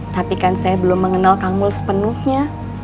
tapi kan saya belum mengenal kang mul sepenuhnya